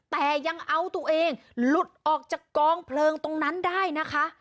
แต่ยังเอาตัวเองหลุดออกจากกองเพลิงตรงนั้นได้นะคะ